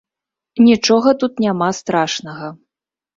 Нічога тут няма страшнага.